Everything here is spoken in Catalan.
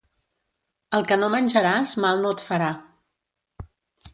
El que no menjaràs mal no et farà.